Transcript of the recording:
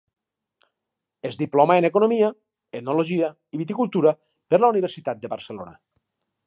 Es diplomà en economia, enologia i viticultura per la Universitat de Barcelona.